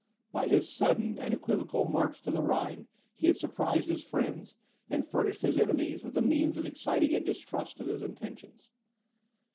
By his sudden and equivocal march to the Rhine, he had surprised his friends, and furnished his enemies with the means of exciting a distrust of his intentions.